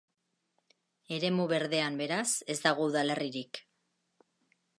Eremu berdean, beraz, ez dago udalerririk.